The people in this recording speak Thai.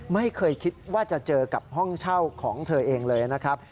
ไม่เคยคิดว่าจะเจอกับห้องเช่าของเธอเองเลยนะครับ